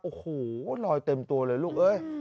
โอ้โหลอยเต็มตัวเลยลูกเอ้ย